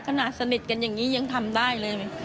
ขนาดสนิทกันอย่างนี้ยังทำได้เลย